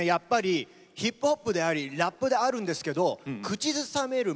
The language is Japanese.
ヒップホップでありラップであるんですけど口ずさめる